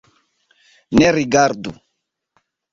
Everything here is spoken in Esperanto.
Ne rigardu!